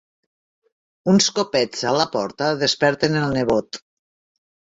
Uns copets a la porta desperten el nebot.